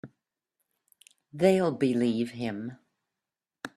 They'll believe him.